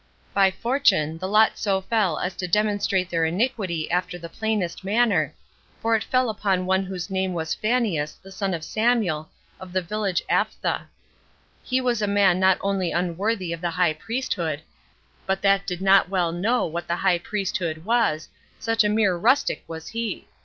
By fortune the lot so fell as to demonstrate their iniquity after the plainest manner, for it fell upon one whose name was Phannias, the son of Samuel, of the village Aphtha. He was a man not only unworthy of the high priesthood, but that did not well know what the high priesthood was, such a mere rustic was he!